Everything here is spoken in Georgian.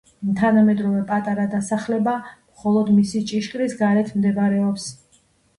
თანამედროვე პატარა დასახლება მხოლოდ მისი ჭიშკრის გარეთ მდებარეობს.